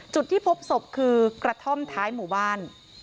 จุดที่พบศพคือกระท่อมท้ายหมู่บ้าน